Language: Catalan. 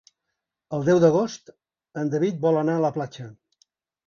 El deu d'agost en David vol anar a la platja.